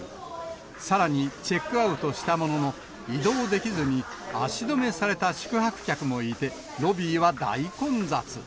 さらにチェックアウトしたものの、移動できずに、足止めされた宿泊客もいて、ロビーは大混雑。